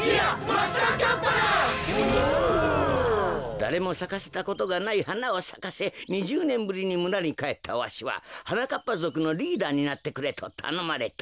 だれもさかせたことがないはなをさかせ２０ねんぶりにむらにかえったわしははなかっぱぞくのリーダーになってくれとたのまれた。